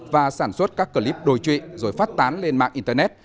và sản xuất các clip đồi trụy rồi phát tán lên mạng internet